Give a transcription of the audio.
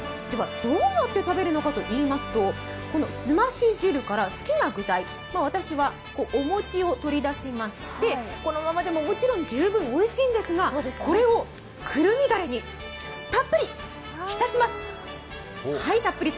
どうやって食べるのかといいますと、すまし汁から好きな具材、私はお餅を取り出しましてこのままでももちろん十分おいしいんですが、これをくるみだれにたっぷり浸します。